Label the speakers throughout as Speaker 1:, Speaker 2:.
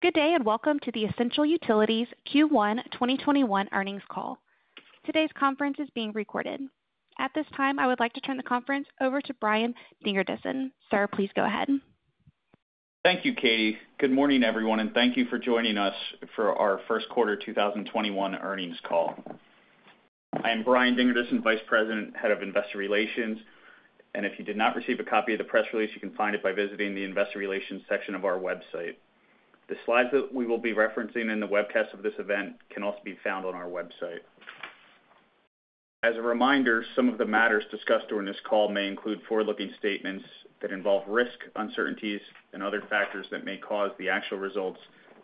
Speaker 1: Good day, welcome to the Essential Utilities Q1 2021 earnings call. Today's conference is being recorded. At this time, I would like to turn the conference over to Brian Dingerdissen. Sir, please go ahead.
Speaker 2: Thank you, Katie. Good morning, everyone, and thank you for joining us for our first quarter 2021 earnings call. I am Brian Dingerdissen, Vice President, Head of Investor Relations, and if you did not receive a copy of the press release, you can find it by visiting the investor relations section of our website. The slides that we will be referencing in the webcast of this event can also be found on our website. As a reminder, some of the matters discussed during this call may include forward-looking statements that involve risk, uncertainties and other factors that may cause the actual results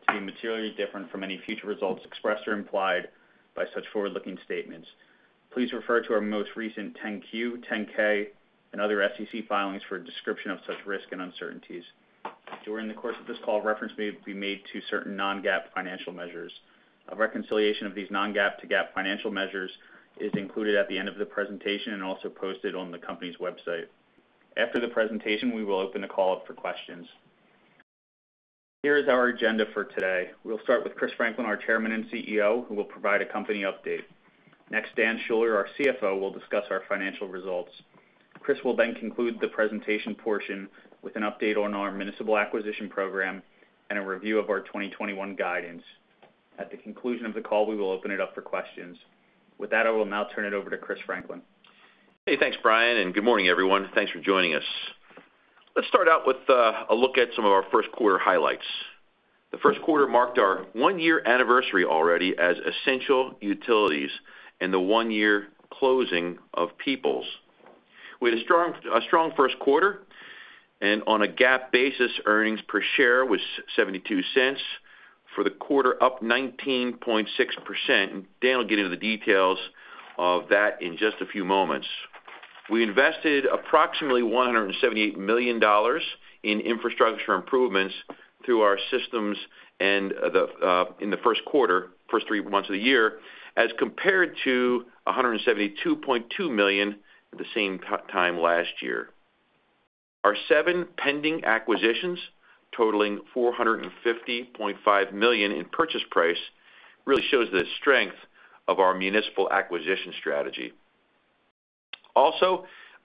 Speaker 2: to be materially different from any future results expressed or implied by such forward-looking statements. Please refer to our most recent 10-Q, 10-K and other SEC filings for a description of such risks and uncertainties. During the course of this call, reference may be made to certain non-GAAP financial measures. A reconciliation of these non-GAAP to GAAP financial measures is included at the end of the presentation and also posted on the company's website. After the presentation, we will open the call up for questions. Here is our agenda for today. We'll start with Chris Franklin, our Chairman and CEO, who will provide a company update. Next, Dan Schuller, our CFO, will discuss our financial results. Chris will then conclude the presentation portion with an update on our municipal acquisition program and a review of our 2021 guidance. At the conclusion of the call, we will open it up for questions. With that, I will now turn it over to Chris Franklin.
Speaker 3: Hey, thanks, Brian, and good morning, everyone. Thanks for joining us. Let's start out with a look at some of our first quarter highlights. The one-year anniversary already as Essential Utilities and the one-year closing of Peoples marked the first quarter. We had a strong first quarter. On a GAAP basis, earnings per share was $0.72 for the quarter, up 19.6%. Dan will get into the details of that in just a few moments. We invested approximately $178 million in infrastructure improvements through our systems in the first quarter, first three months of the year, as compared to $172.2 million at the same time last year. Our seven pending acquisitions totaling $450.5 million in purchase price really shows the strength of our municipal acquisition strategy.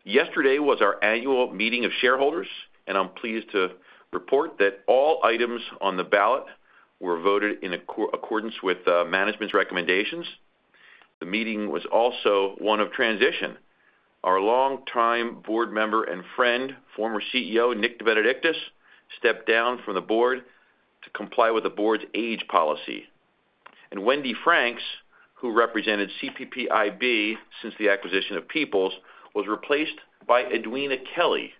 Speaker 3: Yesterday was our annual meeting of shareholders, and I'm pleased to report that all items on the ballot were voted in accordance with management's recommendations. The meeting was also one of transition. Our longtime Board Member and friend, former CEO Nick DeBenedictis, stepped down from the Board to comply with the board's age policy. Wendy Franks, who represented CPPIB since the acquisition of Peoples, was replaced by Edwina Kelly.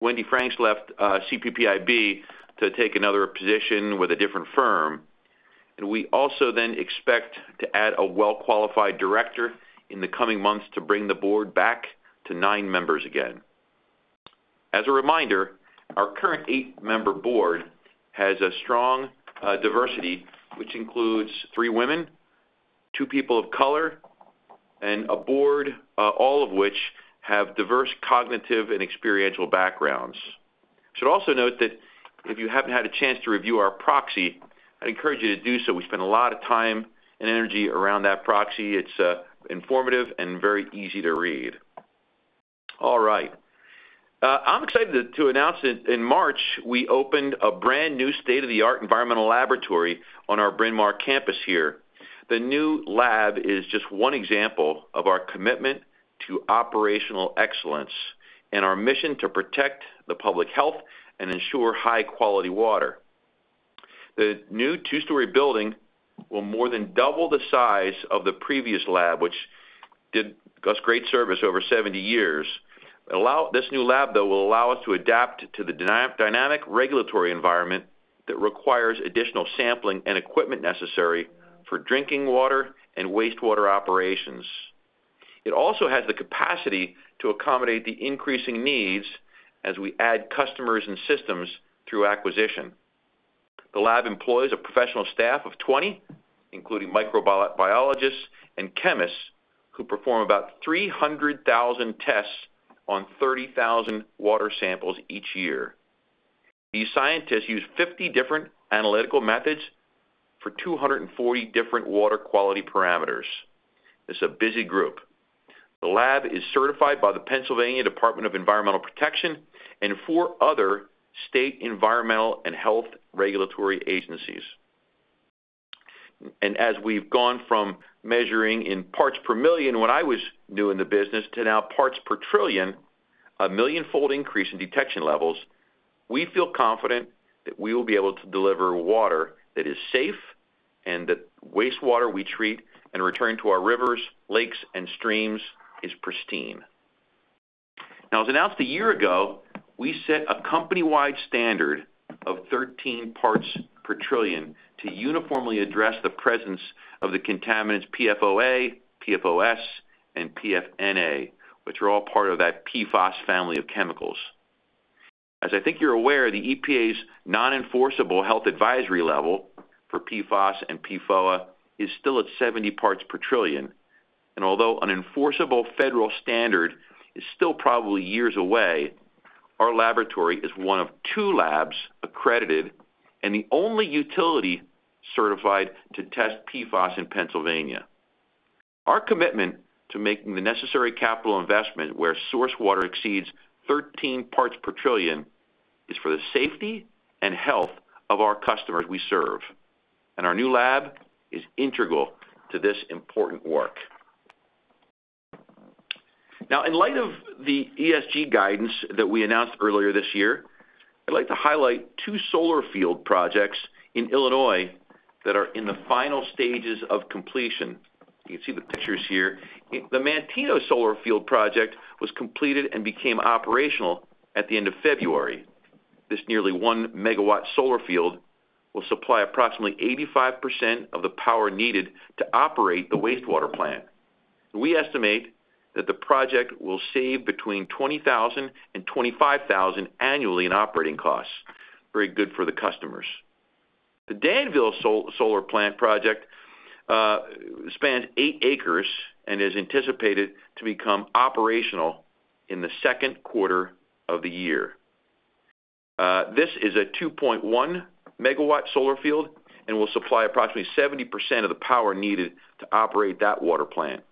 Speaker 3: Wendy Franks left CPPIB to take another position with a different firm. We also then expect to add a well-qualified Director in the coming months to bring the Board back to nine members again. As a reminder, our current eight-member Board has a strong diversity, which includes three women, two people of color, and a Board all of which have diverse cognitive and experiential backgrounds. I should also note that if you haven't had a chance to review our proxy, I'd encourage you to do so. We spend a lot of time and energy around that proxy. It's informative and very easy to read. All right. I'm excited to announce that in March, we opened a brand-new state-of-the-art environmental laboratory on our Bryn Mawr campus here. The new lab is just one example of our commitment to operational excellence and our mission to protect the public health and ensure high-quality water. The new two-story building will more than double the size of the previous lab, which did us great service over 70 years. This new lab, though, will allow us to adapt to the dynamic regulatory environment that requires additional sampling and equipment necessary for drinking water and wastewater operations. It also has the capacity to accommodate the increasing needs as we add customers and systems through acquisition. The lab employs a professional staff of 20, including microbiologists and chemists, who perform about 300,000 tests on 30,000 water samples each year. These scientists use 50 different analytical methods for 240 different water quality parameters. It's a busy group. The lab is certified by the Pennsylvania Department of Environmental Protection and four other state environmental and health regulatory agencies. As we've gone from measuring in parts per million when I was new in the business to now parts per trillion, a millionfold increase in detection levels, we feel confident that we will be able to deliver water that is safe and that wastewater we treat and return to our rivers, lakes and streams is pristine. As announced a year ago, we set a company-wide standard of 13 parts per trillion to uniformly address the presence of the contaminants PFOA, PFOS, and PFNA, which are all part of that PFAS family of chemicals. As I think you're aware, the EPA's non-enforceable health advisory level for PFOS and PFOA is still at 70 parts per trillion. Although an enforceable federal standard is still probably years away, our laboratory is one of two labs accredited and the only utility certified to test PFAS in Pennsylvania. Our commitment to making the necessary capital investment where source water exceeds 13 parts per trillion is for the safety and health of our customers we serve. Our new lab is integral to this important work. In light of the ESG guidance that we announced earlier this year, I'd like to highlight two solar field projects in Illinois that are in the final stages of completion. You can see the pictures here. The Manteno solar field project was completed and became operational at the end of February. This nearly 1 MW solar field will supply approximately 85% of the power needed to operate the wastewater plant. We estimate that the project will save between $20,000 and $25,000 annually in operating costs. Very good for the customers. The Danville solar plant project spans eight acres and is anticipated to become operational in the second quarter of the year. This is a 2.1 MW solar field and will supply approximately 70% of the power needed to operate that water plant.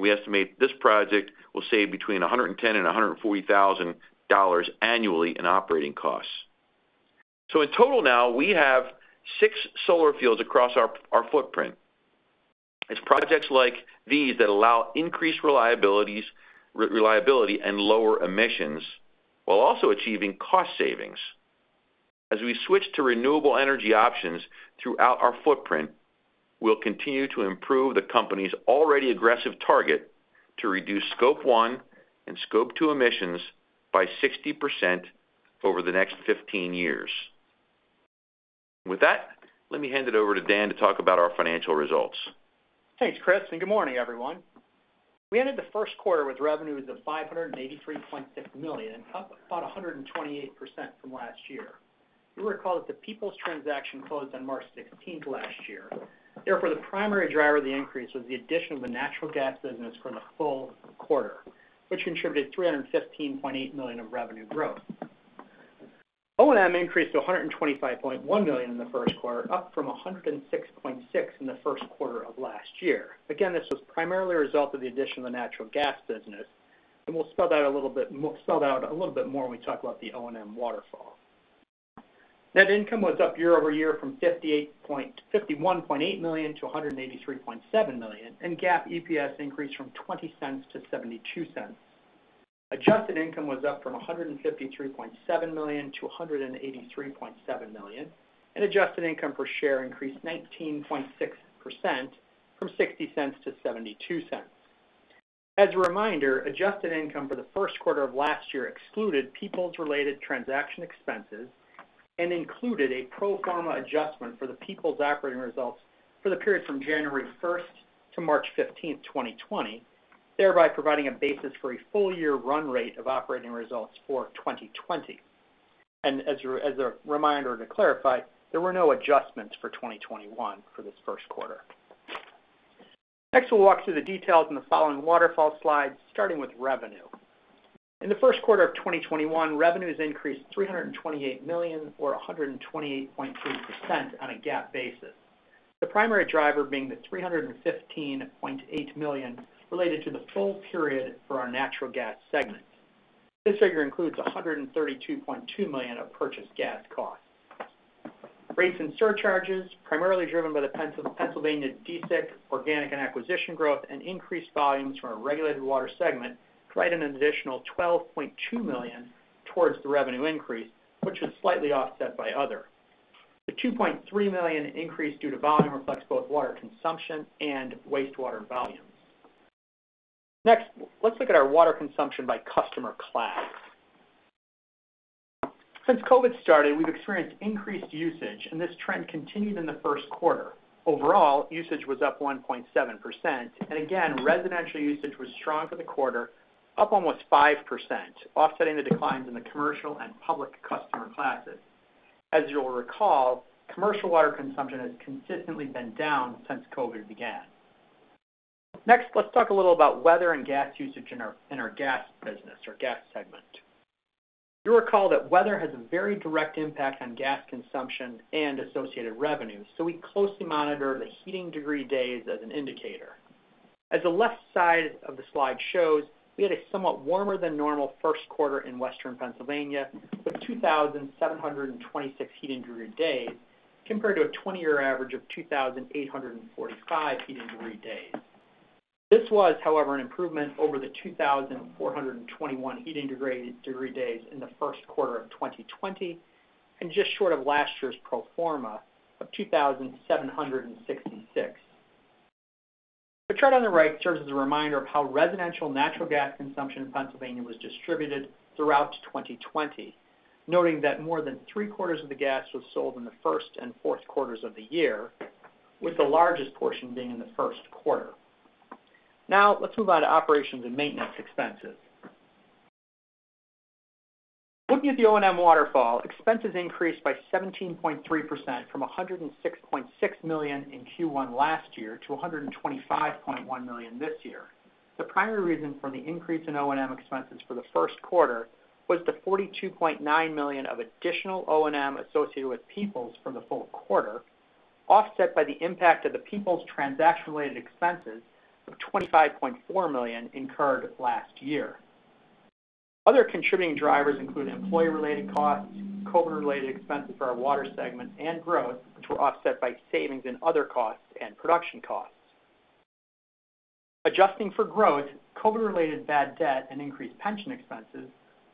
Speaker 3: We estimate this project will save between $110,000 and $140,000 annually in operating costs. In total now, we have six solar fields across our footprint. It's projects like these that allow increased reliability and lower emissions while also achieving cost savings. As we switch to renewable energy options throughout our footprint, we'll continue to improve the company's already aggressive target to reduce Scope 1 and Scope 2 emissions by 60% over the next 15 years. With that, let me hand it over to Dan to talk about our financial results.
Speaker 4: Thanks, Chris, and good morning, everyone. We ended the first quarter with revenues of $583.6 million, up about 128% from last year. You'll recall that the Peoples transaction closed on March 16th last year. The primary driver of the increase was the addition of the natural gas business for the full quarter, which contributed $315.8 million of revenue growth. O&M increased to $125.1 million in the first quarter, up from $106.6 million in the first quarter of last year. This was primarily a result of the addition of the natural gas business, and we'll spell that out a little bit more when we talk about the O&M waterfall. Net income was up year-over-year from $51.8 million to $183.7 million, and GAAP EPS increased from $0.20 to $0.72. Adjusted income was up from $153.7 million to $183.7 million, adjusted income per share increased 19.6% from $0.60 to $0.72. As a reminder, adjusted income for the first quarter of last year excluded Peoples-related transaction expenses and included a pro forma adjustment for the Peoples operating results for the period from January 1st to March 15th, 2020, thereby providing a basis for a full-year run rate of operating results for 2020. As a reminder to clarify, there were no adjustments for 2021 for this first quarter. Next, we'll walk through the details in the following waterfall slides, starting with revenue. In the first quarter of 2021, revenues increased $328 million or 128.3% on a GAAP basis. The primary driver being the $315.8 million related to the full period for our Natural Gas segment. This figure includes $132.2 million of purchased gas costs. Rates and surcharges, primarily driven by the Pennsylvania DSIC, organic and acquisition growth, and increased volumes from our Regulated Water Segment, provided an additional $12.2 million towards the revenue increase, which is slightly offset by other. The $2.3 million increase due to volume reflects both water consumption and wastewater volumes. Let's look at our water consumption by customer class. Since COVID started, we've experienced increased usage, and this trend continued in the first quarter. Overall, usage was up 1.7%, and again, residential usage was strong for the quarter, up almost 5%, offsetting the declines in the commercial and public customer classes. As you'll recall, commercial water consumption has consistently been down since COVID began. Let's talk a little about weather and gas usage in our Gas business or Gas segment. You'll recall that weather has a very direct impact on gas consumption and associated revenue, so we closely monitor the heating degree days as an indicator. As the left side of the slide shows, we had a somewhat warmer than normal first quarter in Western Pennsylvania with 2,726 heating degree days compared to a 20-year average of 2,845 heating degree days. This was, however, an improvement over the 2,421 heating degree days in the first quarter of 2020, and just short of last year's pro forma of 2,766. The chart on the right serves as a reminder of how residential natural gas consumption in Pennsylvania was distributed throughout 2020, noting that more than three-quarters of the gas was sold in the first and fourth quarters of the year, with the largest portion being in the first quarter. Let's move on to operations and maintenance expenses. Looking at the O&M waterfall, expenses increased by 17.3% from $106.6 million in Q1 last year to $125.1 million this year. The primary reason for the increase in O&M expenses for the first quarter was the $42.9 million of additional O&M associated with Peoples for the full quarter, offset by the impact of the Peoples transaction-related expenses of $25.4 million incurred last year. Other contributing drivers include employee-related costs, COVID-related expenses for our Water segment and growth, which were offset by savings in other costs and production costs. Adjusting for growth, COVID-related bad debt, and increased pension expenses,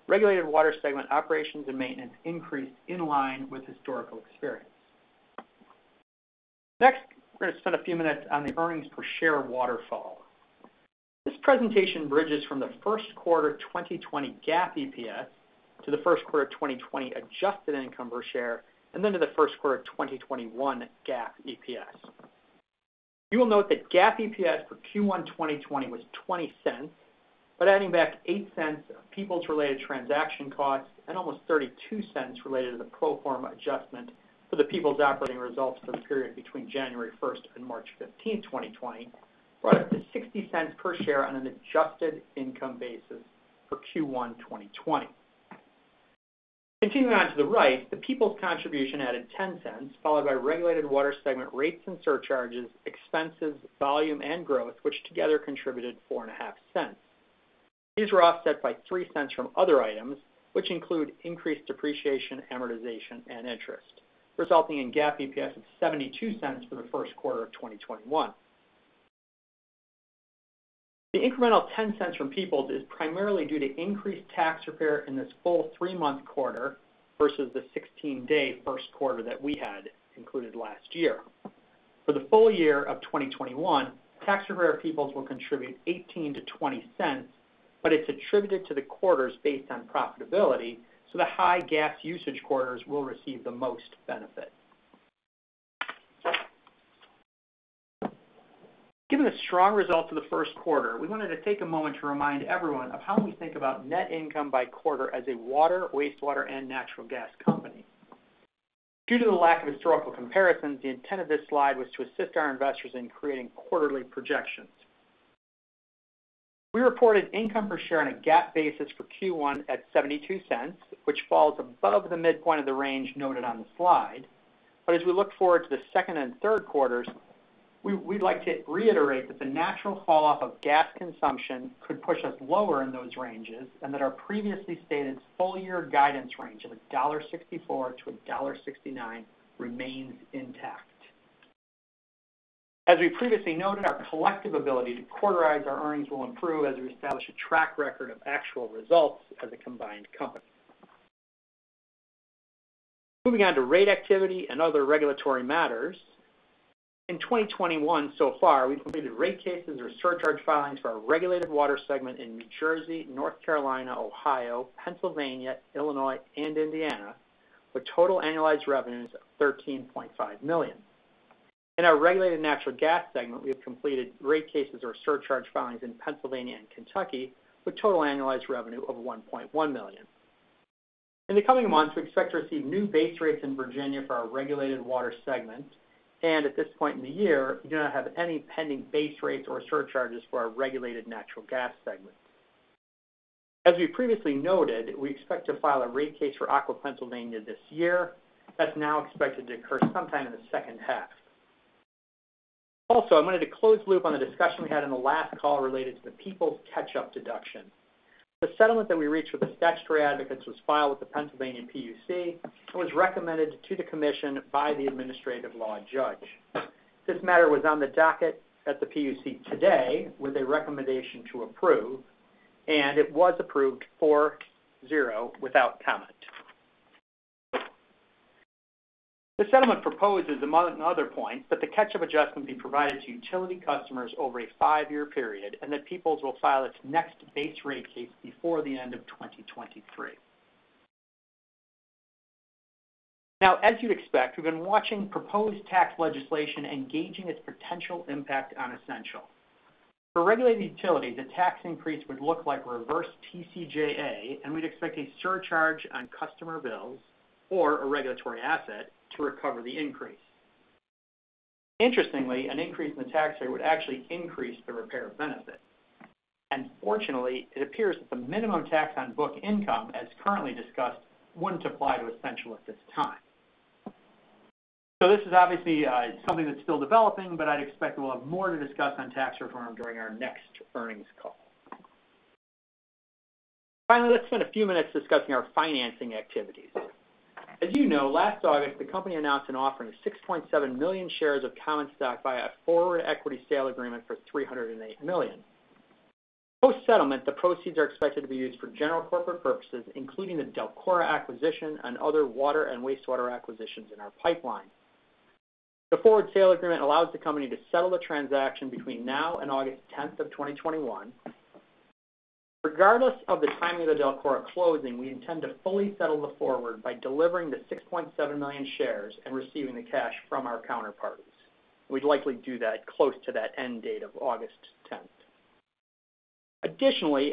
Speaker 4: regulated Water segment operations and maintenance increased in line with historical experience. We're going to spend a few minutes on the earnings per share waterfall. This presentation bridges from the first quarter 2020 GAAP EPS to the first quarter 2020 adjusted income per share, then to the first quarter 2021 GAAP EPS. You will note that GAAP EPS for Q1 2020 was $0.20, adding back $0.08 of Peoples-related transaction costs and almost $0.32 related to the pro forma adjustment for the Peoples operating results for the period between January 1st and March 15, 2020, brought it to $0.60 per share on an adjusted income basis for Q1 2020. Continuing on to the right, the Peoples contribution added $0.10, followed by regulated Water segment rates and surcharges, expenses, volume, and growth, which together contributed $0.045. These were offset by $0.03 from other items, which include increased depreciation, amortization, and interest, resulting in GAAP EPS of $0.72 for the first quarter of 2021. The incremental $0.10 from Peoples is primarily due to increased tax repair in this full three-month quarter versus the 16-day first quarter that we had included last year. The full year of 2021, tax repair at Peoples will contribute $0.18-$0.20, but it's attributed to the quarters based on profitability. The high gas usage quarters will receive the most benefit. Given the strong results of the first quarter, we wanted to take a moment to remind everyone of how we think about net income by quarter as a water, wastewater, and natural gas company. Due to the lack of historical comparisons, the intent of this slide was to assist our investors in creating quarterly projections. We reported income per share on a GAAP basis for Q1 at $0.72, which falls above the midpoint of the range noted on the slide. As we look forward to the second and third quarters, we'd like to reiterate that the natural falloff of gas consumption could push us lower in those ranges, and that our previously stated full-year guidance range of $1.64-$1.69 remains intact. As we previously noted, our collective ability to quarterize our earnings will improve as we establish a track record of actual results as a combined company. Moving on to rate activity and other regulatory matters. In 2021 so far, we've completed rate cases or surcharge filings for our Regulated Water segment in New Jersey, North Carolina, Ohio, Pennsylvania, Illinois, and Indiana, with total annualized revenues of $13.5 million. In our Regulated Natural Gas segment, we have completed rate cases or surcharge filings in Pennsylvania and Kentucky, with total annualized revenue over $1.1 million. In the coming months, we expect to receive new base rates in Virginia for our Regulated Water Segment. At this point in the year, we do not have any pending base rates or surcharges for our Regulated Natural Gas segment. As we previously noted, we expect to file a rate case for Aqua Pennsylvania this year. That's now expected to occur sometime in the second half. I wanted to close the loop on the discussion we had on the last call related to the Peoples catch-up deduction. The settlement that we reached with the statutory advocates was filed with the Pennsylvania PUC and was recommended to the commission by the administrative law judge. This matter was on the docket at the PUC today with a recommendation to approve, it was approved four, zero without comment. The settlement proposes, among other points, that the catch-up adjustment be provided to utility customers over a five-year period, and that Peoples will file its next base rate case before the end of 2023. As you'd expect, we've been watching proposed tax legislation and gauging its potential impact on Essential. For regulated utilities, a tax increase would look like reverse TCJA, and we'd expect a surcharge on customer bills or a regulatory asset to recover the increase. Interestingly, an increase in the tax rate would actually increase the repair benefit. Fortunately, it appears that the minimum tax on book income, as currently discussed, wouldn't apply to Essential at this time. This is obviously something that's still developing, but I'd expect we'll have more to discuss on tax reform during our next earnings call. Finally, let's spend a few minutes discussing our financing activities. As you know, last August, the company announced an offering of 6.7 million shares of common stock via a forward equity sale agreement for $308 million. Post-settlement, the proceeds are expected to be used for general corporate purposes, including the DELCORA acquisition and other water and wastewater acquisitions in our pipeline. The forward sale agreement allows the company to settle the transaction between now and August 10th of 2021. Regardless of the timing of the DELCORA closing, we intend to fully settle the forward by delivering the 6.7 million shares and receiving the cash from our counterparties. We'd likely do that close to that end date of August 10th.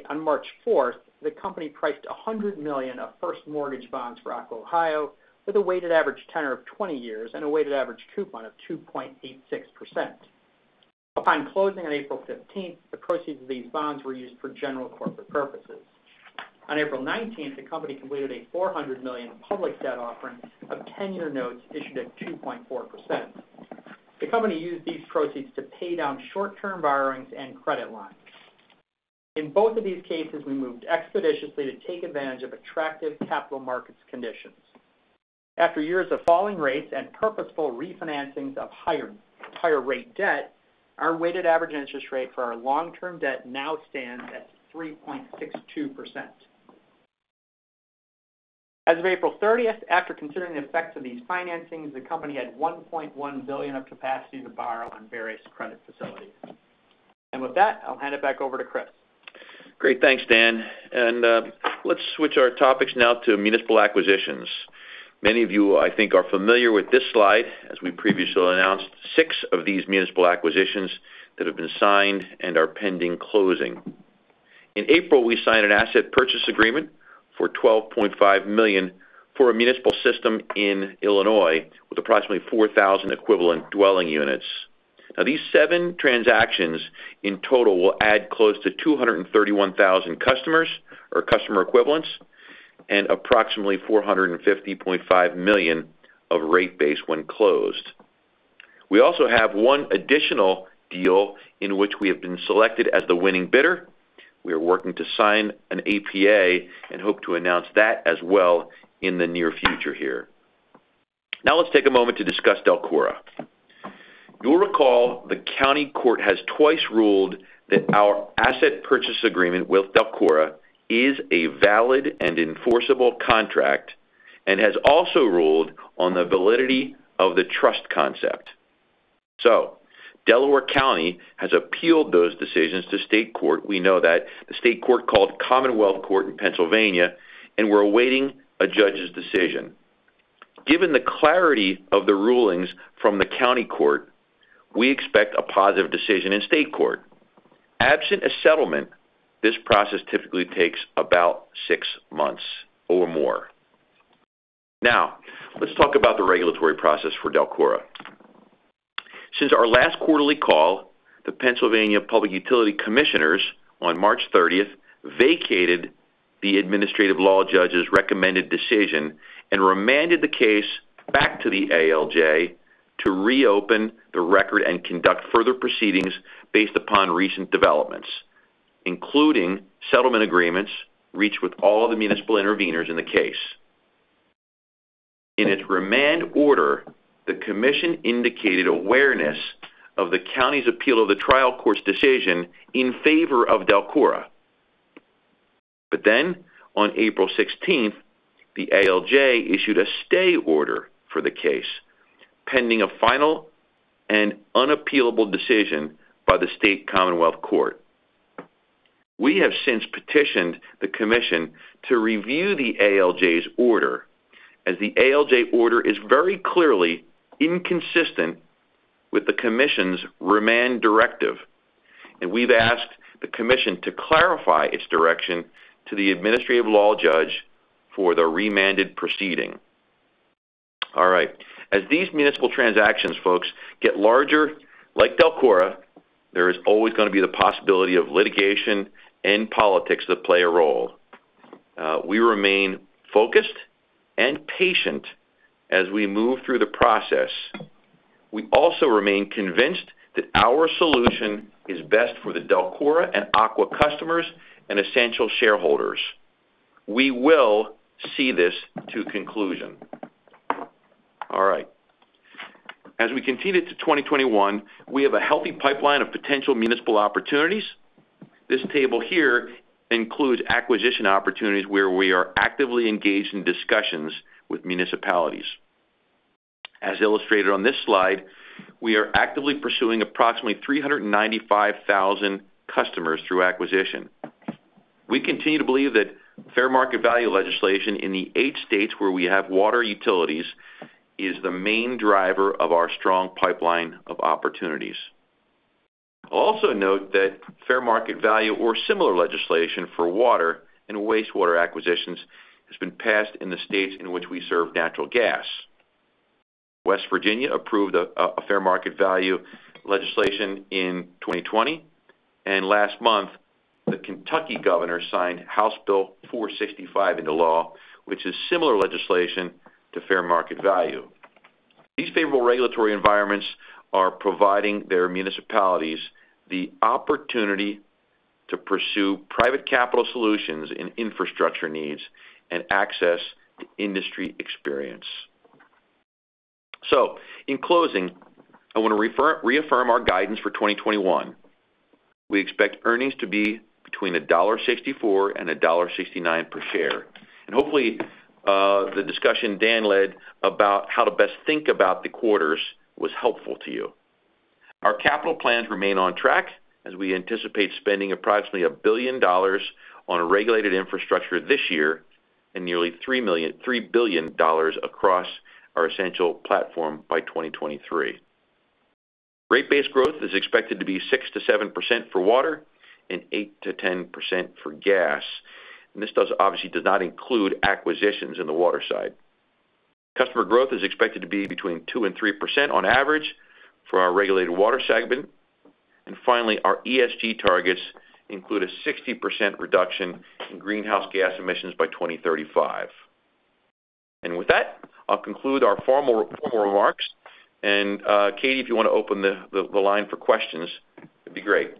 Speaker 4: On March 4th, the company priced $100 million of first mortgage bonds for Aqua Ohio with a weighted average tenor of 20 years and a weighted average coupon of 2.86%. Upon closing on April 15th, the proceeds of these bonds were used for general corporate purposes. On April 19th, the company completed a $400 million public debt offering of 10-year notes issued at 2.4%. The company used these proceeds to pay down short-term borrowings and credit lines. In both of these cases, we moved expeditiously to take advantage of attractive capital markets conditions. After years of falling rates and purposeful refinancings of higher rate debt, our weighted average interest rate for our long-term debt now stands at 3.62%. As of April 30th, after considering the effects of these financings, the company had $1.1 billion of capacity to borrow on various credit facilities. With that, I'll hand it back over to Chris.
Speaker 3: Great. Thanks, Dan. Let's switch our topics now to municipal acquisitions. Many of you, I think, are familiar with this slide. As we previously announced, six of these municipal acquisitions that have been signed and are pending closing. In April, we signed an asset purchase agreement for $12.5 million for a municipal system in Illinois with approximately 4,000 equivalent dwelling units. These seven transactions in total will add close to 231,000 customers or customer equivalents and approximately $450.5 million of rate base when closed. We also have one additional deal in which we have been selected as the winning bidder. We are working to sign an APA and hope to announce that as well in the near future here. Let's take a moment to discuss DELCORA. You'll recall the county court has twice ruled that our asset purchase agreement with DELCORA is a valid and enforceable contract and has also ruled on the validity of the trust concept. Delaware County has appealed those decisions to state court, we know that, the state court called Commonwealth Court in Pennsylvania, and we're awaiting a judge's decision. Given the clarity of the rulings from the county court, we expect a positive decision in state court. Absent a settlement, this process typically takes about six months or more. Let's talk about the regulatory process for DELCORA. Since our last quarterly call, the Pennsylvania Public Utility Commission on March 30th vacated the Administrative Law Judge's recommended decision and remanded the case back to the ALJ to reopen the record and conduct further proceedings based upon recent developments, including settlement agreements reached with all the municipal interveners in the case. In its remand order, the Commission indicated awareness of the county's appeal of the trial court's decision in favor of DELCORA. On April 16th, the ALJ issued a stay order for the case, pending a final and unappealable decision by the state Commonwealth Court. We have since petitioned the Commission to review the ALJ's order, as the ALJ order is very clearly inconsistent with the Commission's remand directive. We've asked the Commission to clarify its direction to the Administrative Law Judge for the remanded proceeding. All right, as these municipal transactions, folks, get larger, like DELCORA, there is always going to be the possibility of litigation and politics that play a role. We remain focused and patient as we move through the process. We also remain convinced that our solution is best for the DELCORA and Aqua customers and Essential shareholders. We will see this to conclusion. All right. As we continue to 2021, we have a healthy pipeline of potential municipal opportunities. This table here includes acquisition opportunities where we are actively engaged in discussions with municipalities. As illustrated on this slide, we are actively pursuing approximately 395,000 customers through acquisition. We continue to believe that fair market value legislation in the eight states where we have water utilities is the main driver of our strong pipeline of opportunities. I'll also note that fair market value legislation or similar legislation for water and wastewater acquisitions has been passed in the states in which we serve natural gas. West Virginia approved fair market value legislation in 2020, and last month, the Kentucky Governor signed House Bill 465 into law, which is similar legislation to fair market value. These favorable regulatory environments are providing their municipalities the opportunity to pursue private capital solutions in infrastructure needs and access to industry experience. In closing, I want to reaffirm our guidance for 2021. We expect earnings to be between $1.64 and $1.69 per share. Hopefully, the discussion Dan led about how to best think about the quarters was helpful to you. Our capital plans remain on track as we anticipate spending approximately $1 billion on regulated infrastructure this year. Nearly $3 billion across our Essential Platform by 2023. Rate base growth is expected to be 6%-7% for water and 8%-10% for gas. This obviously does not include acquisitions in the Water side. Customer growth is expected to be between 2% and 3% on average for our Regulated Water Segment. Finally, our ESG targets include a 60% reduction in greenhouse gas emissions by 2035. With that, I'll conclude our formal remarks. Katie, if you want to open the line for questions, that'd be great.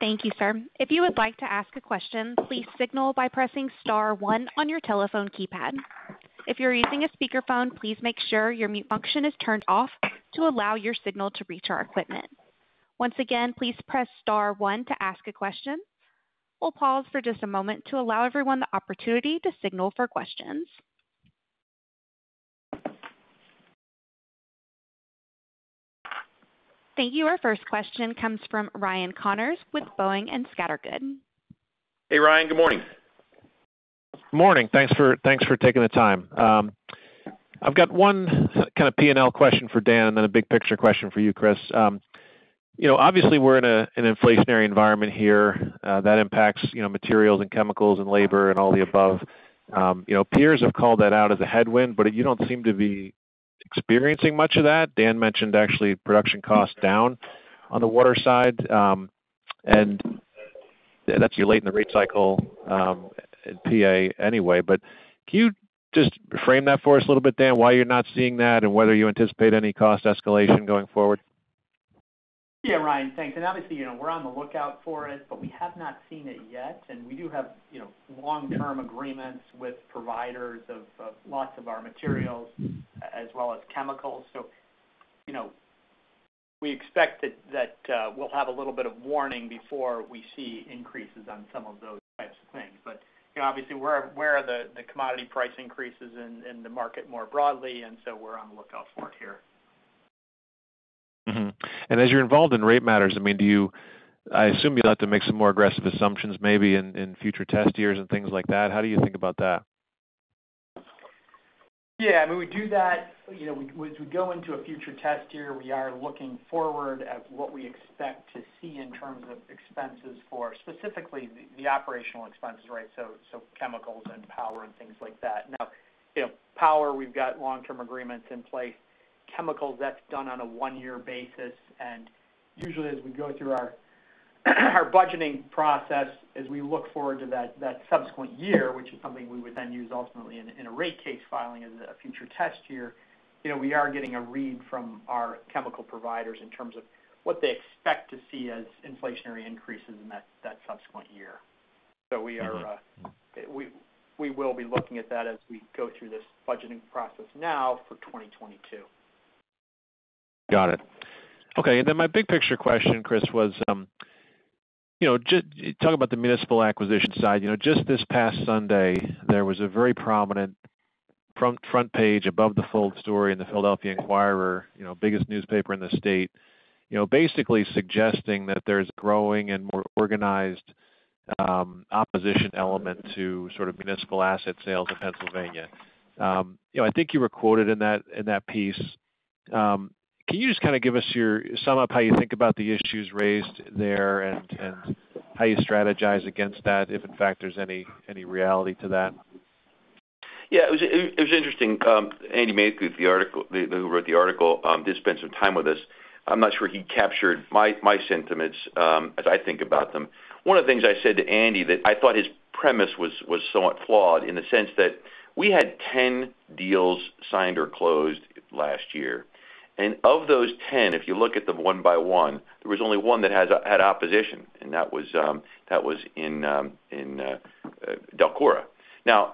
Speaker 1: Thank you, sir. If you would like to ask a question, please signal by pressing star one on your telephone keypad. If you're using a speakerphone, please make sure your mute function is turned off to allow your signal to reach our equipment. Once again, please press star one to ask a question. We'll pause for just a moment to allow everyone the opportunity to signal for questions. Thank you. Our first question comes from Ryan Connors with Boenning & Scattergood.
Speaker 3: Hey, Ryan. Good morning.
Speaker 5: Morning. Thanks for taking the time. I've got one kind of P&L question for Dan, and then a big picture question for you, Chris. Obviously, we're in an inflationary environment here that impacts materials and chemicals and labor and all the above. Peers have called that out as a headwind, but you don't seem to be experiencing much of that. Dan mentioned actually production costs down on the Water side, and that's you're late in the rate cycle in PA anyway, but can you just frame that for us a little bit, Dan? Why you're not seeing that and whether you anticipate any cost escalation going forward?
Speaker 4: Ryan, thanks. Obviously, we're on the lookout for it, but we have not seen it yet. We do have long-term agreements with providers of lots of our materials as well as chemicals. We expect that we'll have a little bit of warning before we see increases on some of those types of things. Obviously, we're aware of the commodity price increases in the market more broadly, and so we're on the lookout for it here.
Speaker 5: As you're involved in rate matters, I assume you'll have to make some more aggressive assumptions maybe in future test years and things like that. How do you think about that?
Speaker 4: Yeah, we do that. As we go into a future test year, we are looking forward at what we expect to see in terms of expenses for specifically the operational expenses, right? Chemicals and power and things like that. Power, we've got long-term agreements in place. Chemicals, that's done on a one-year basis, and usually as we go through our budgeting process, as we look forward to that subsequent year, which is something we would then use ultimately in a rate case filing as a future test year. We are getting a read from our chemical providers in terms of what they expect to see as inflationary increases in that subsequent year. We will be looking at that as we go through this budgeting process now for 2022.
Speaker 5: Got it. Okay. My big picture question, Chris, was talk about the municipal acquisition side. Just this past Sunday, there was a very prominent front page above the fold story in "The Philadelphia Inquirer," biggest newspaper in the state, basically suggesting that there's growing and more organized opposition element to sort of municipal asset sales in Pennsylvania. I think you were quoted in that piece. Can you just kind of give us your sum up, how you think about the issues raised there and how you strategize against that, if in fact there's any reality to that?
Speaker 3: It was interesting. Andy Maykuth, who wrote the article, did spend some time with us. I'm not sure he captured my sentiments as I think about them. One of the things I said to Andy that I thought his premise was somewhat flawed in the sense that we had 10 deals signed or closed last year. Of those 10, if you look at them one by one, there was only one that had opposition, and that was in DELCORA.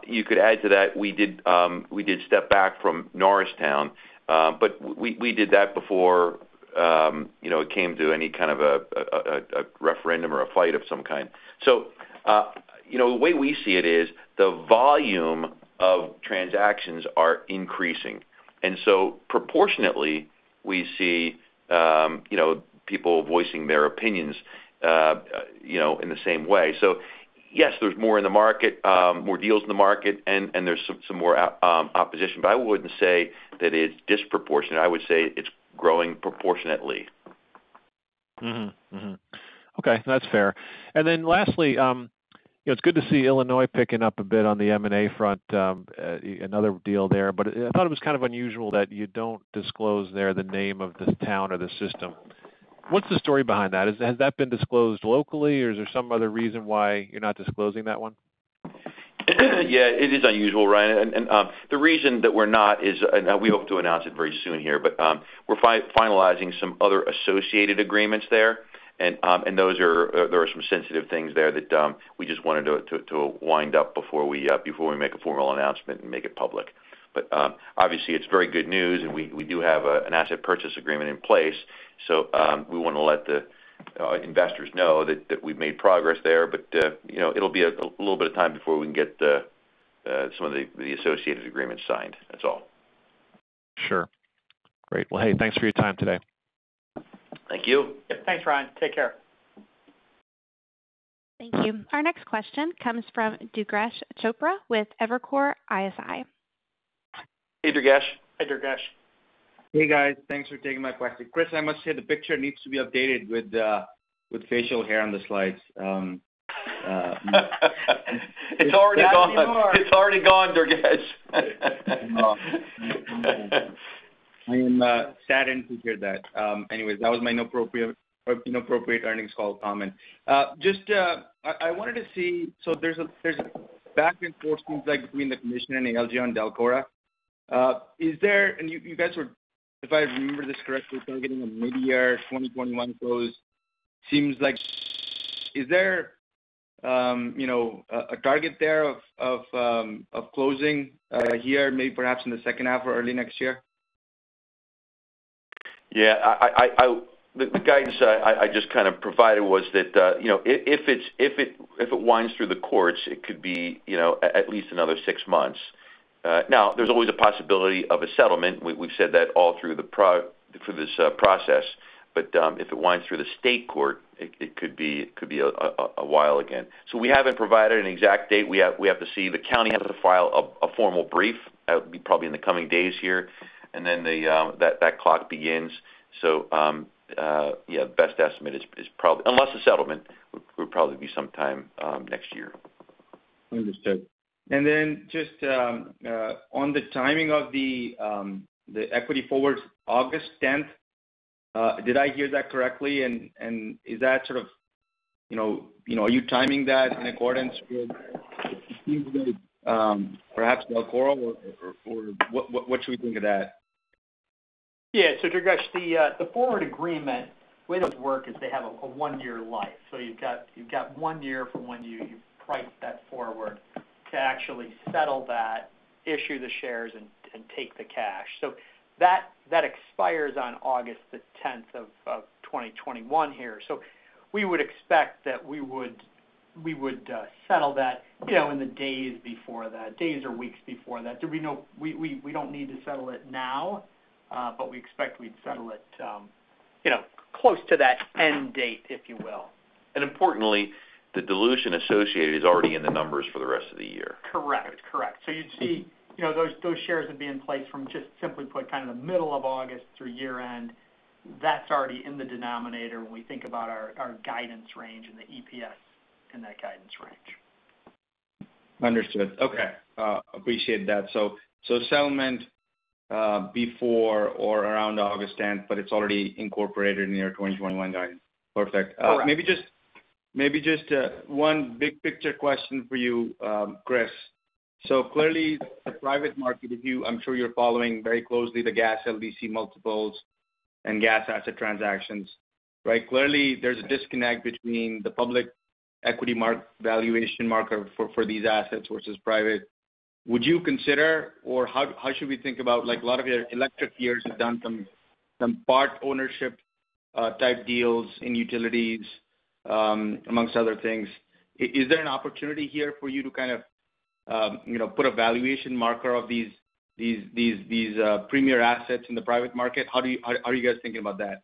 Speaker 3: You could add to that, we did step back from Norristown, but we did that before it came to any kind of a referendum or a fight of some kind. The way we see it is the volume of transactions are increasing, and so proportionately, we see people voicing their opinions in the same way. Yes, there's more in the market, more deals in the market, and there's some more opposition, but I wouldn't say that it's disproportionate. I would say it's growing proportionately.
Speaker 5: Mm-hmm. Okay. That's fair. Lastly, it's good to see Illinois picking up a bit on the M&A front. Another deal there. I thought it was kind of unusual that you don't disclose there the name of the town or the system. What's the story behind that? Has that been disclosed locally, or is there some other reason why you're not disclosing that one?
Speaker 3: Yeah, it is unusual, Ryan. The reason that we're not is, and we hope to announce it very soon here, but we're finalizing some other associated agreements there. There are some sensitive things there that we just wanted to wind up before we make a formal announcement and make it public. Obviously, it's very good news, and we do have an asset purchase agreement in place, so we want to let the investors know that we've made progress there. It'll be a little bit of time before we can get some of the associated agreements signed, that's all.
Speaker 5: Sure. Great. Well, hey, thanks for your time today.
Speaker 3: Thank you.
Speaker 4: Yep, thanks Ryan. Take care.
Speaker 1: Thank you. Our next question comes from Durgesh Chopra with Evercore ISI.
Speaker 3: Hey, Durgesh.
Speaker 4: Hey, Durgesh.
Speaker 6: Hey, guys. Thanks for taking my question. Chris, I must say the picture needs to be updated with facial hair on the slides.
Speaker 3: It's already gone.
Speaker 4: That you are.
Speaker 3: It's already gone, Durgesh.
Speaker 6: Oh. I am saddened to hear that. Anyways, that was my inappropriate earnings call comment. I wanted to see, so there's back and forth seems like between the Commission and ALJ on DELCORA. If I remember this correctly, targeting a mid-year 2021 close. Is there a target there of closing a year, maybe perhaps in the second half or early next year?
Speaker 3: Yeah. The guidance I just kind of provided was that if it winds through the courts, it could be at least another six months. There's always a possibility of a settlement. We've said that all through this process. If it winds through the state court, it could be a while again. We haven't provided an exact date. We have to see the county have to file a formal brief. That would be probably in the coming days here, and then that clock begins. Yeah, best estimate is, unless a settlement, would probably be sometime next year.
Speaker 6: Understood. Then just on the timing of the equity forward August 10th. Did I hear that correctly? Are you timing that in accordance with perhaps DELCORA, or what should we think of that?
Speaker 4: Yeah. Durgesh, the forward agreement, way those work is they have a one-year life. You've got one year from when you've priced that forward to actually settle that, issue the shares, and take the cash. That expires on August the 10th of 2021 here. We would expect that we would settle that in the days before that, days or weeks before that. We don't need to settle it now, but we expect we'd settle it close to that end date, if you will.
Speaker 3: Importantly, the dilution associated is already in the numbers for the rest of the year.
Speaker 4: Correct. You'd see those shares would be in place from just simply put, kind of the middle of August through year-end. That's already in the denominator when we think about our guidance range and the EPS in that guidance range.
Speaker 6: Understood. Okay. Appreciate that. Settlement before or around August 10th, but it's already incorporated in your 2021 guidance. Perfect.
Speaker 4: Correct.
Speaker 6: Maybe just one big-picture question for you, Chris. Clearly the private market view, I'm sure you're following very closely the gas LDC multiples and gas asset transactions, right? Clearly there's a disconnect between the public equity valuation marker for these assets versus private. Would you consider, or how should we think about, like a lot of your electric peers have done some part ownership type deals in utilities amongst other things. Is there an opportunity here for you to kind of put a valuation marker of these premier assets in the private market? How are you guys thinking about that?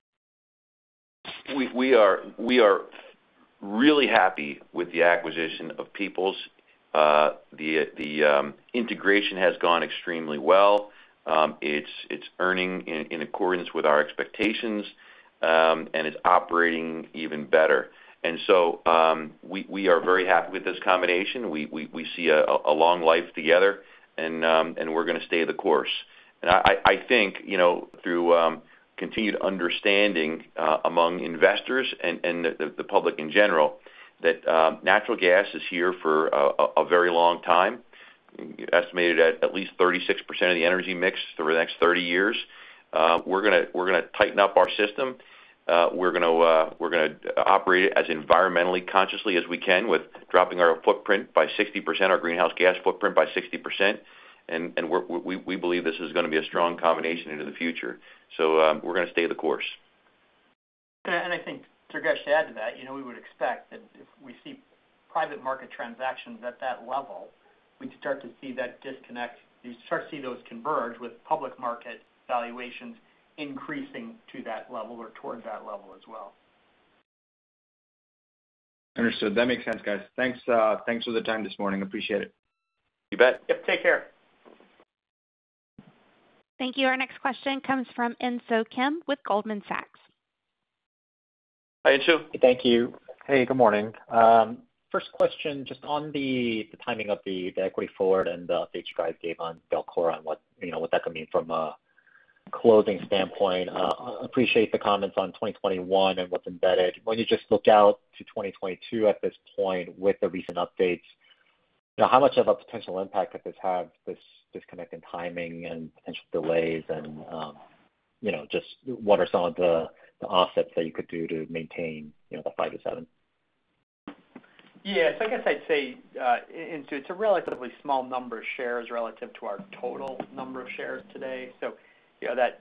Speaker 3: We are really happy with the acquisition of Peoples. The integration has gone extremely well. It's earning in accordance with our expectations, and it's operating even better. We are very happy with this combination. We see a long life together and we're going to stay the course. I think, through continued understanding among investors and the public in general, that natural gas is here for a very long time, estimated at least 36% of the energy mix over the next 30 years. We're going to tighten up our system. We're going to operate it as environmentally consciously as we can with dropping our footprint by 60%, our greenhouse gas footprint by 60%, and we believe this is going to be a strong combination into the future. We're going to stay the course.
Speaker 4: I think, Durgesh, to add to that, we would expect that if we see private market transactions at that level, we'd start to see that disconnect. You start to see those converge with public market valuations increasing to that level or towards that level as well.
Speaker 6: Understood. That makes sense, guys. Thanks for the time this morning. Appreciate it.
Speaker 3: You bet.
Speaker 4: Yep, take care.
Speaker 1: Thank you. Our next question comes from Insoo Kim with Goldman Sachs.
Speaker 3: Hi, Insoo.
Speaker 7: Thank you. Hey, good morning. First question, just on the timing of the equity forward and the update you guys gave on DELCORA on what that could mean from a closing standpoint. Appreciate the comments on 2021 and what's embedded. When you just look out to 2022 at this point with the recent updates, how much of a potential impact could this have, this disconnect in timing and potential delays and just what are some of the offsets that you could do to maintain the five to seven?
Speaker 4: I guess I'd say, Insoo, it's a relatively small number of shares relative to our total number of shares today. As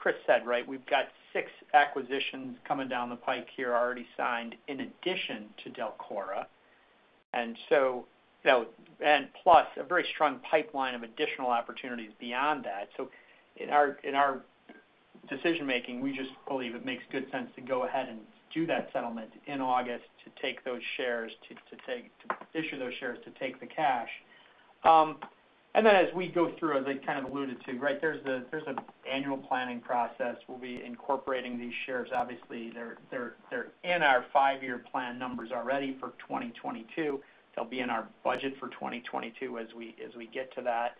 Speaker 4: Chris said, we've got six acquisitions coming down the pike here already signed in addition to DELCORA. Plus a very strong pipeline of additional opportunities beyond that. In our decision-making, we just believe it makes good sense to go ahead and do that settlement in August to take those shares, to issue those shares, to take the cash. As we go through, as I kind of alluded to, there's an annual planning process. We'll be incorporating these shares. Obviously, they're in our five-year plan numbers already for 2022. They'll be in our budget for 2022 as we get to that.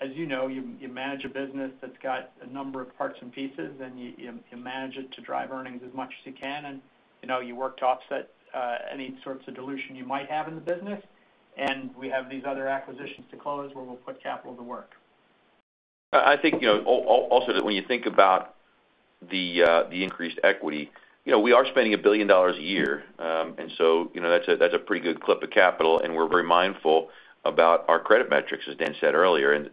Speaker 4: As you know, you manage a business that's got a number of parts and pieces, and you manage it to drive earnings as much as you can. You work to offset any sorts of dilution you might have in the business. We have these other acquisitions to close where we'll put capital to work.
Speaker 3: I think, also that when you think about the increased equity, we are spending $1 billion a year. That's a pretty good clip of capital, and we're very mindful about our credit metrics, as Dan said earlier.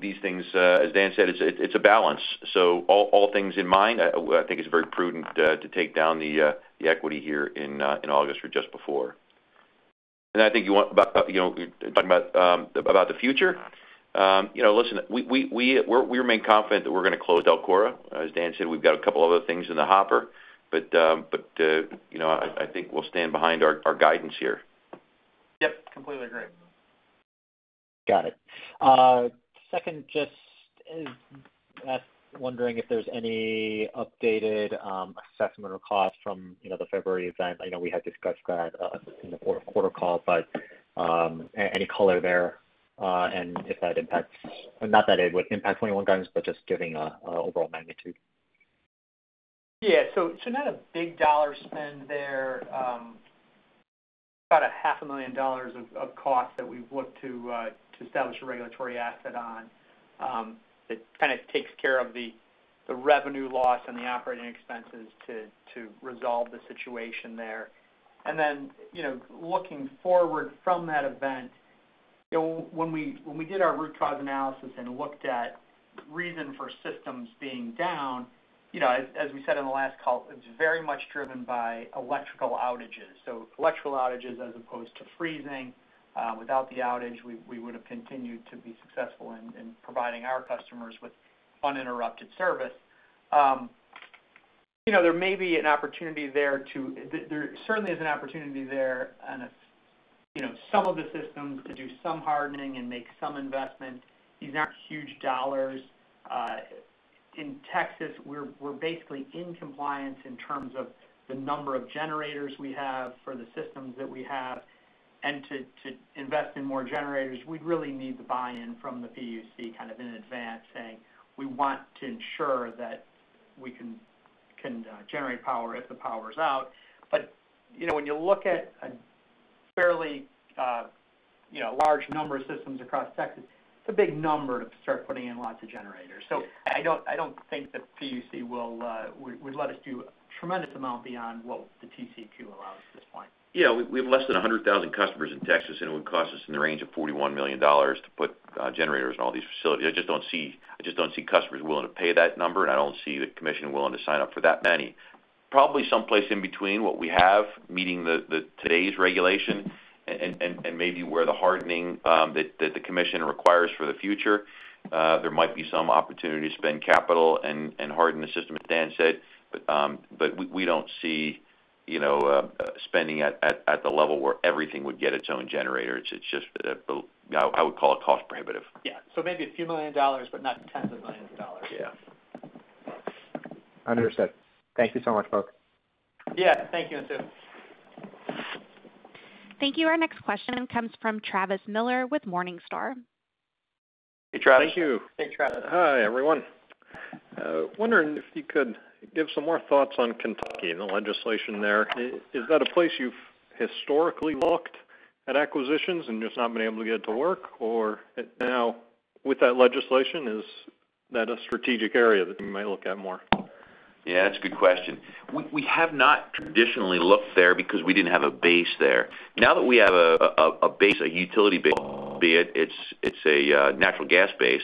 Speaker 3: These things, as Dan said, it's a balance. All things in mind, I think it's very prudent to take down the equity here in August or just before. I think talking about the future, listen, we remain confident that we're going to close DELCORA. As Dan said, we've got a couple other things in the hopper, but I think we'll stand behind our guidance here.
Speaker 4: Yep, completely agree.
Speaker 7: Got it. Second, just wondering if there's any updated assessment or cost from the February event. I know we had discussed that in the fourth quarter call, but any color there. Not that it would impact 2021 times, but just giving an overall magnitude.
Speaker 4: Yeah. Not a big dollar spend there. About a half a million dollars of cost that we've looked to establish a regulatory asset on. That kind of takes care of the revenue loss and the operating expenses to resolve the situation there. Looking forward from that event, when we did our root cause analysis and looked at reason for systems being down, as we said in the last call, it's very much driven by electrical outages. Electrical outages as opposed to freezing. Without the outage, we would have continued to be successful in providing our customers with uninterrupted service. There certainly is an opportunity there on some of the systems to do some hardening and make some investments. These aren't huge dollars. In Texas, we're basically in compliance in terms of the number of generators we have for the systems that we have. To invest in more generators, we'd really need the buy-in from the PUC kind of in advance, saying we want to ensure that we can generate power if the power is out. When you look at a fairly large number of systems across Texas, it's a big number to start putting in lots of generators. I don't think the PUC would let us do a tremendous amount beyond what the TCEQ allows at this point.
Speaker 3: Yeah. We have less than 100,000 customers in Texas. It would cost us in the range of $41 million to put generators in all these facilities. I just don't see customers willing to pay that number. I don't see the Commission willing to sign up for that many. Probably someplace in between what we have, meeting today's regulation, maybe where the hardening that the Commission requires for the future. There might be some opportunity to spend capital and harden the system, as Dan said. We don't see spending at the level where everything would get its own generator. I would call it cost prohibitive.
Speaker 4: Yeah. maybe a few million dollars, but not tens of millions of dollars.
Speaker 3: Yeah.
Speaker 7: Understood. Thank you so much, folks.
Speaker 4: Yeah. Thank you Insoo.
Speaker 1: Thank you. Our next question comes from Travis Miller with Morningstar.
Speaker 3: Hey, Travis.
Speaker 4: Thanks, Travis.
Speaker 8: Hi, everyone. Wondering if you could give some more thoughts on Kentucky and the legislation there? Is that a place you've historically looked at acquisitions and just not been able to get it to work? Or now with that legislation, is that a strategic area that you might look at more?
Speaker 3: Yeah, that's a good question. We have not traditionally looked there because we didn't have a base there. Now that we have a base, a utility base, be it it's a natural gas base.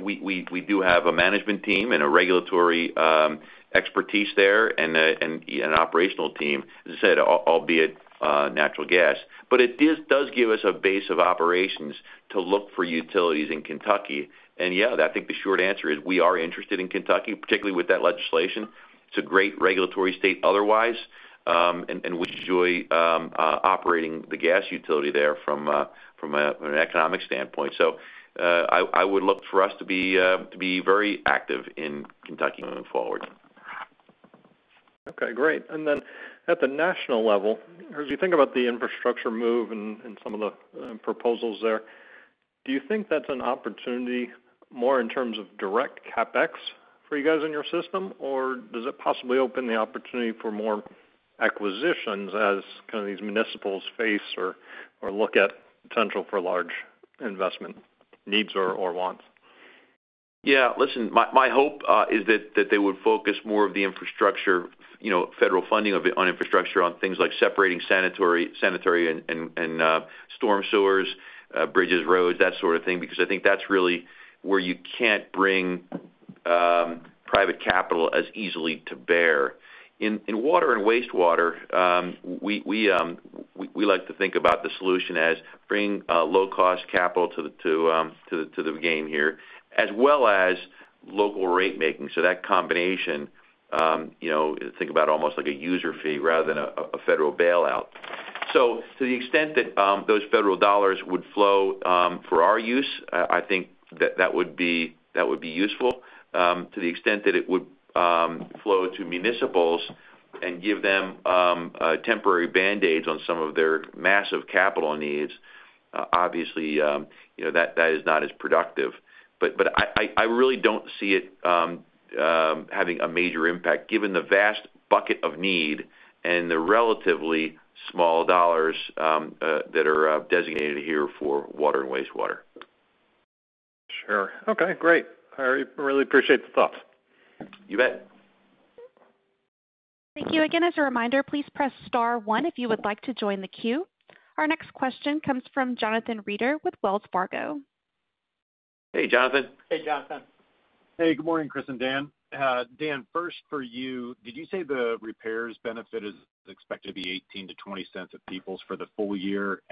Speaker 3: We do have a management team and a regulatory expertise there and an operational team, as I said, albeit natural gas. It does give us a base of operations to look for utilities in Kentucky. Yeah, I think the short answer is we are interested in Kentucky, particularly with that legislation. It's a great regulatory state otherwise. We enjoy operating the gas utility there from an economic standpoint. I would look for us to be very active in Kentucky moving forward.
Speaker 8: Okay, great. At the national level, as you think about the infrastructure move and some of the proposals there, do you think that's an opportunity more in terms of direct CapEx for you guys in your system, or does it possibly open the opportunity for more acquisitions as kind of these municipals face or look at potential for large investment needs or wants?
Speaker 3: Yeah. Listen, my hope is that they would focus more of the federal funding on infrastructure on things like separating sanitary and storm sewers, bridges, roads, that sort of thing, because I think that's really where you can't bring private capital as easily to bear. In water and wastewater, we like to think about the solution as bringing low-cost capital to the game here, as well as local rate making. That combination, think about almost like a user fee rather than a federal bailout. To the extent that those federal dollars would flow for our use, I think that would be useful to the extent that it would flow to municipals and give them temporary band-aids on some of their massive capital needs. Obviously, that is not as productive. I really don't see it having a major impact given the vast bucket of need and the relatively small dollars that are designated here for water and wastewater.
Speaker 8: Sure. Okay, great. I really appreciate the thoughts.
Speaker 3: You bet.
Speaker 1: Thank you. Again, as a reminder, please press star one if you would like to join the queue. Our next question comes from Jonathan Reeder with Wells Fargo.
Speaker 3: Hey, Jonathan.
Speaker 4: Hey, Jonathan.
Speaker 9: Hey, good morning, Chris and Dan. Dan, first for you, did you say the repairs benefit is expected to be $0.18-$0.20 of Peoples for the full year?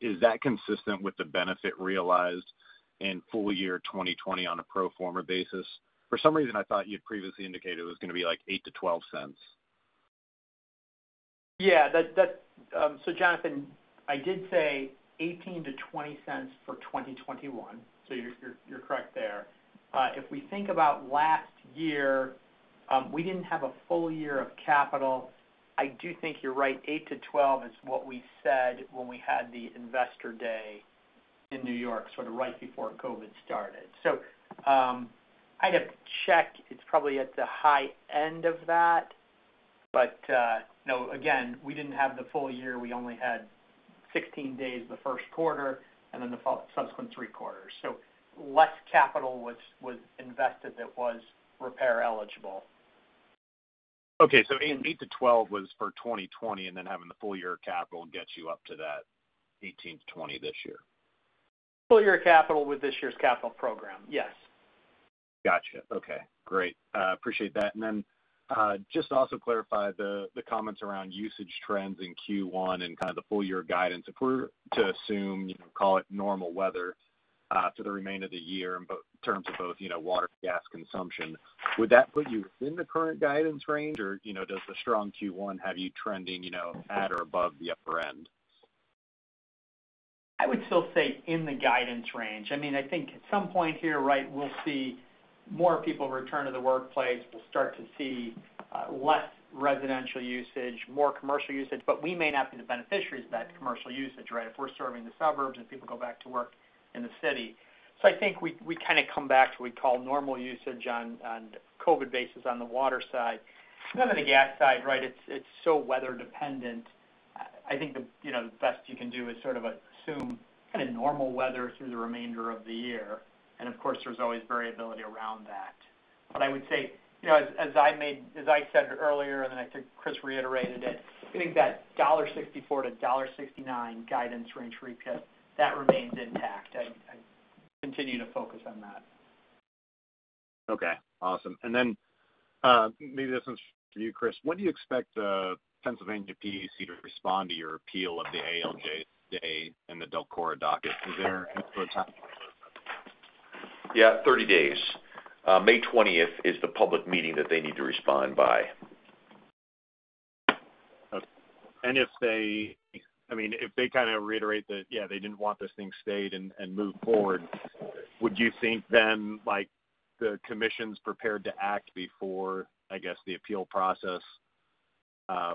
Speaker 9: Is that consistent with the benefit realized in full year 2020 on a pro forma basis? For some reason, I thought you had previously indicated it was going to be $0.08-$0.12.
Speaker 4: Yeah. Jonathan, I did say $0.18-$0.20 for 2021, so you're correct there. If we think about last year, we didn't have a full year of capital. I do think you're right, $0.08-$0.12 is what we said when we had the Investor Day in New York right before COVID started. I'd have checked, it's probably at the high end of that. No, again, we didn't have the full year. We only had 16 days the first quarter and then the subsequent three quarters. Less capital was invested that was repair eligible.
Speaker 9: Okay. $0.08-$0.12 was for 2020, and then having the full year of capital gets you up to that $0.18-$0.20 this year.
Speaker 4: Full year capital with this year's capital program, yes.
Speaker 9: Got you. Okay, great. Appreciate that. Just to also clarify the comments around usage trends in Q1 and kind of the full year guidance. If we're to assume, call it normal weather, for the remainder of the year in terms of both water and gas consumption, would that put you within the current guidance range or does the strong Q1 have you trending at or above the upper end?
Speaker 4: I would still say in the guidance range. I think at some point here, we'll see more people return to the workplace. We'll start to see less residential usage, more commercial usage. We may not be the beneficiaries of that commercial usage if we're serving the suburbs and people go back to work in the city. I think we kind of come back to what we call normal usage on COVID basis on the water side. On the gas side, it's so weather dependent. I think the best you can do is sort of assume kind of normal weather through the remainder of the year, and of course, there's always variability around that. I would say, as I said earlier, and then I think Chris reiterated it, I think that $1.64-$1.69 guidance range we gave, that remains intact. I continue to focus on that.
Speaker 9: Okay, awesome. Maybe this one's for you, Chris. When do you expect Pennsylvania PUC to respond to your appeal of the ALJ's stay in the DELCORA docket? Is there time?
Speaker 3: Yeah, 30 days. May 20th is the public meeting that they need to respond by.
Speaker 9: Okay. If they kind of reiterate that they didn't want this thing stayed and move forward, would you think then the Commission's prepared to act before the appeal process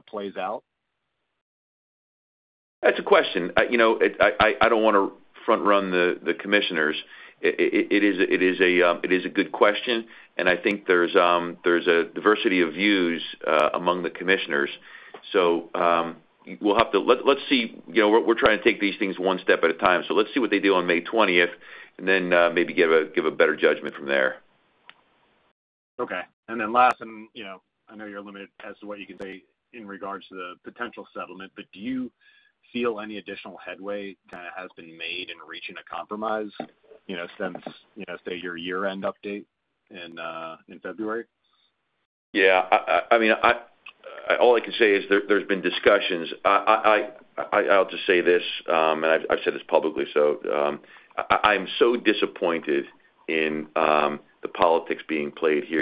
Speaker 9: plays out?
Speaker 3: That's a question. I don't want to front run the commissioners. It is a good question, and I think there's a diversity of views among the commissioners. Let's see, we're trying to take these things one step at a time. Let's see what they do on May 20th and then maybe give a better judgment from there.
Speaker 9: Okay. Last, I know you're limited as to what you can say in regards to the potential settlement, do you feel any additional headway has been made in reaching a compromise since, say, your year-end update in February?
Speaker 3: Yeah. All I can say is there's been discussions. I'll just say this, and I've said this publicly, so I'm so disappointed in the politics being played here.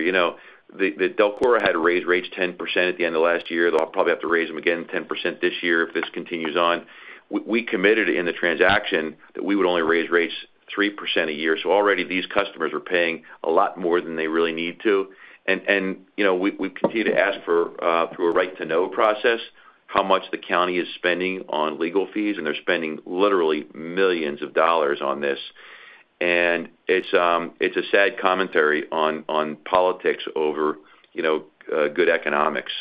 Speaker 3: DELCORA had to raise rates 10% at the end of last year, they'll probably have to raise them again 10% this year if this continues on. We committed in the transaction that we would only raise rates 3% a year. Already these customers are paying a lot more than they really need to. We continue to ask through a Right-to-Know process how much the county is spending on legal fees, and they're spending literally millions of dollars on this. It's a sad commentary on politics over good economics.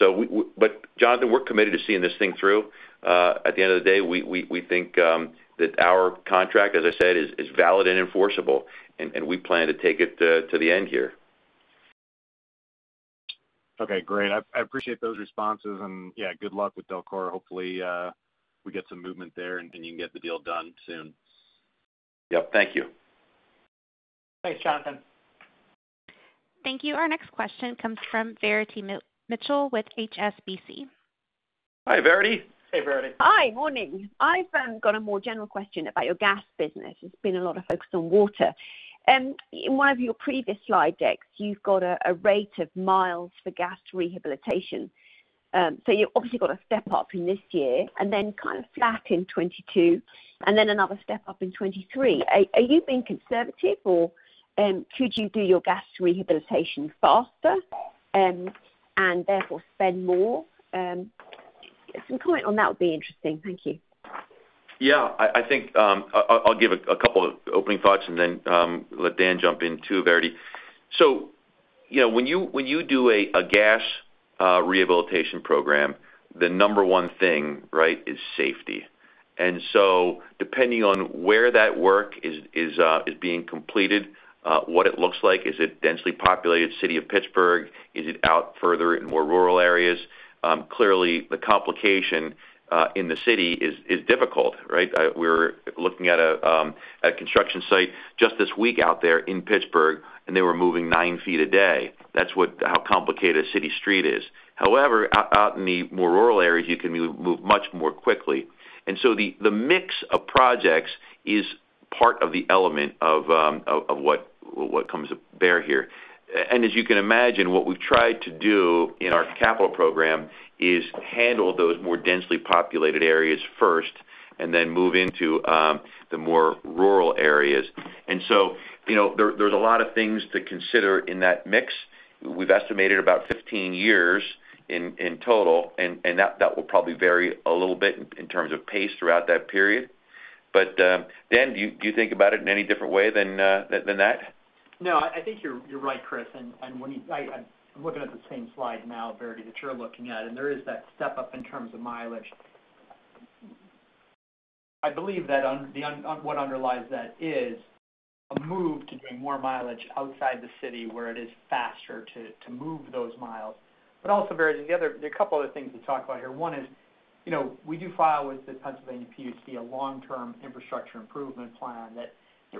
Speaker 3: Jonathan, we're committed to seeing this thing through. At the end of the day, we think that our contract, as I said, is valid and enforceable, and we plan to take it to the end here.
Speaker 9: Okay, great. I appreciate those responses. Good luck with DELCORA. Hopefully, we get some movement there, and you can get the deal done soon.
Speaker 3: Yep. Thank you.
Speaker 4: Thanks, Jonathan.
Speaker 1: Thank you. Our next question comes from Verity Mitchell with HSBC.
Speaker 3: Hi, Verity.
Speaker 4: Hey, Verity.
Speaker 10: Hi. Morning. I've got a more general question about your Gas business. There's been a lot of focus on Water. In one of your previous slide decks, you've got a rate of miles for gas rehabilitation. You've obviously got a step-up in this year, and then kind of flat in 2022, and then another step-up in 2023. Are you being conservative, or could you do your gas rehabilitation faster, and therefore spend more? Some comment on that would be interesting. Thank you.
Speaker 3: Yeah. I think I'll give a couple of opening thoughts and then let Dan jump in too, Verity. When you do a gas rehabilitation program, the number one thing is safety. Depending on where that work is being completed, what it looks like, is it densely populated city of Pittsburgh? Is it out further in more rural areas? Clearly, the complication in the city is difficult, right? We're looking at a construction site just this week out there in Pittsburgh, and they were moving nine feet a day. That's how complicated a city street is. However, out in the more rural areas, you can move much more quickly. The mix of projects is part of the element of what comes to bear here. As you can imagine, what we've tried to do in our capital program is handle those more densely populated areas first and then move into the more rural areas. There's a lot of things to consider in that mix. We've estimated about 15 years in total, and that will probably vary a little bit in terms of pace throughout that period. Dan, do you think about it in any different way than that?
Speaker 4: No, I think you're right, Chris. I'm looking at the same slide now, Verity, that you're looking at, and there is that step-up in terms of mileage. I believe that what underlies that is a move to doing more mileage outside the city where it is faster to move those miles. Also, Verity, a couple other things to talk about here. One is, we do file with the Pennsylvania PUC a long-term infrastructure improvement plan that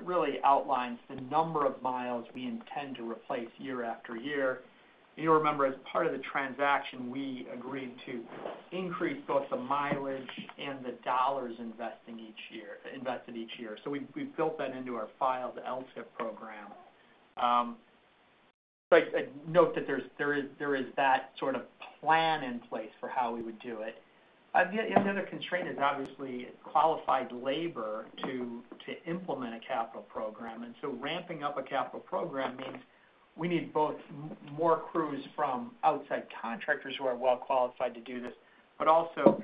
Speaker 4: really outlines the number of miles we intend to replace year after year. You'll remember, as part of the transaction, we agreed to increase both the mileage and the dollars invested each year. We've built that into our filed LTIIP program. Note that there is that sort of plan in place for how we would do it. The other constraint is obviously qualified labor to implement a capital program. Ramping up a capital program means we need both more crews from outside contractors who are well-qualified to do this, but also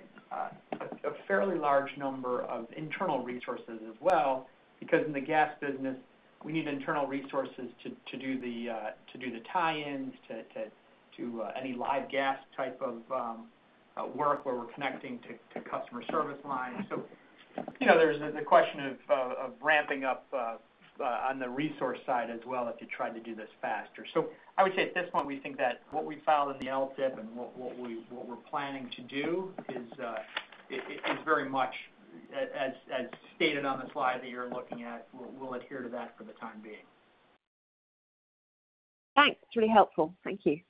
Speaker 4: a fairly large number of internal resources as well, because in the Gas business, we need internal resources to do the tie-ins to any live gas type of work where we're connecting to customer service lines. There's the question of ramping up on the resource side as well if you try to do this faster. I would say at this point, we think that what we filed in the LTIIP and what we're planning to do is very much as stated on the slide that you're looking at. We'll adhere to that for the time being.
Speaker 10: Thanks. Really helpful. Thank you.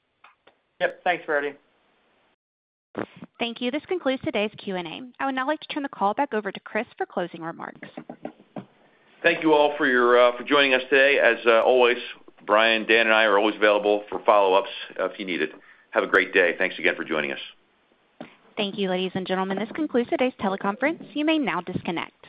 Speaker 4: Yep. Thanks, Verity.
Speaker 1: Thank you. This concludes today's Q and A. I would now like to turn the call back over to Chris for closing remarks.
Speaker 3: Thank you all for joining us today. As always, Brian, Dan, and I are always available for follow-ups if you need it. Have a great day. Thanks again for joining us.
Speaker 1: Thank you, ladies and gentlemen. This concludes today's teleconference. You may now disconnect.